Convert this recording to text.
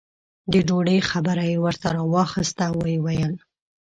د ډوډۍ خبره یې ورته راواخسته او یې وویل.